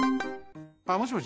あっもしもし？